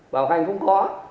bảo hành cũng có